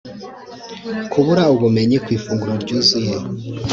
kubura ubumenyi ku ifunguro ryuzuye